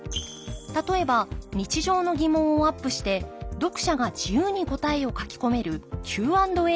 例えば日常の疑問をアップして読者が自由に答えを書き込めるＱ＆Ａ方式のもの。